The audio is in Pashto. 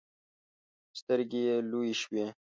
سترګې يې لویې شوې.